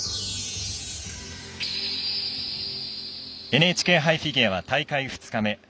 ＮＨＫ杯フィギュアは大会２日目。